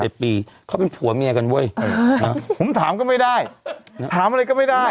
ปีเขาเป็นผัวเมียกันเว้ยผมถามก็ไม่ได้ถามอะไรก็ไม่ได้